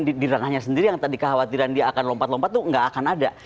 di ranahnya sendiri yang tadi kekhawatiran dia akan lompat lompat itu nggak akan ada